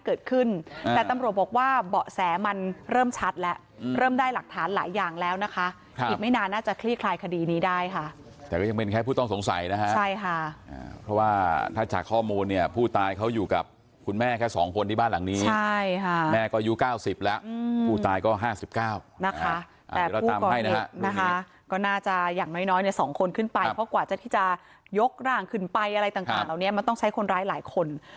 ถังอยู่ในสภาพคว่างถังอยู่ในสภาพคว่างถังอยู่ในสภาพคว่างถังอยู่ในสภาพคว่างถังอยู่ในสภาพคว่างถังอยู่ในสภาพคว่างถังอยู่ในสภาพคว่างถังอยู่ในสภาพคว่างถังอยู่ในสภาพคว่างถังอยู่ในสภาพคว่างถังอยู่ในสภาพคว่างถังอยู่ในสภาพคว่างถังอยู่ในสภาพคว่างถังอยู่ในสภาพค